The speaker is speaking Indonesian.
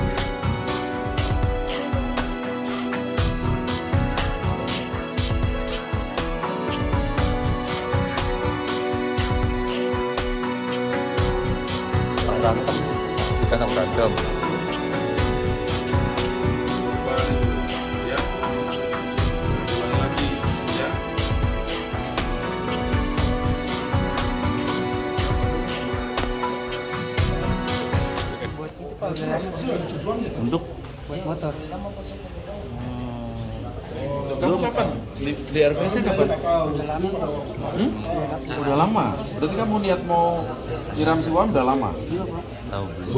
sasaran korbannya menjadi rendah